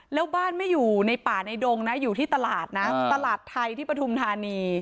แล้วบ้านไม่อยู่ในป่าในดงนะอยู่ที่ตลาดนะตลาดไทยที่ปฐุมธานี